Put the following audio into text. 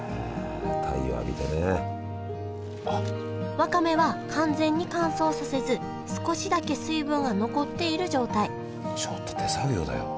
わかめは完全に乾燥させず少しだけ水分が残っている状態ちょっと手作業だよ。